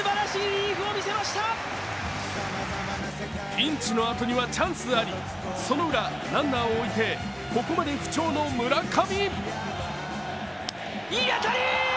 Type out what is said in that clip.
ピンチのあとにはチャンスありそのウラ、ランナーを置いてここまで不調の村上。